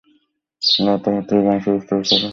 লতা হতেই বংশ বিস্তার করে।